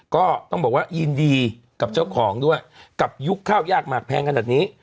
ก็ต้องบอกว่ายินดีกับเจ้าของด้วยกับยุคข้าวยากมากแพงขนาดนี้